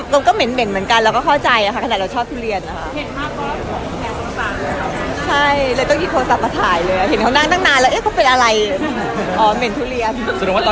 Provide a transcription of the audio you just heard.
เราก็เหม็นเม็นเหมือนกันเราก็เข้าใจอะถ้าเราชอบทุเรียนแบบนั้น